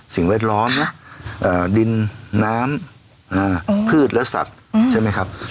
แวดล้อมนะดินน้ำพืชและสัตว์ใช่ไหมครับ